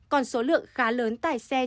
còn số lượng khá lớn tài xe